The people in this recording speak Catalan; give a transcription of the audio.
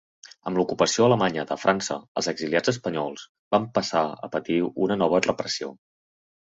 Amb l'ocupació alemanya de França, els exiliats espanyols van passar a patir una nova repressió.